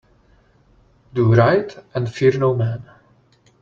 Do right and fear no man.